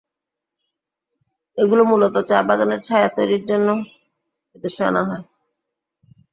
এগুলো মূলত চা বাগানের ছায়া তৈরির জন্য এ দেশে আনা হয়।